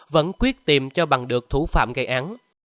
vẫn quyết tìm cho bằng được thủ phạm gây án